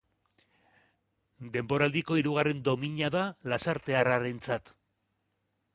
Denboraldiko hirugarren domina da lasartearrarentzat.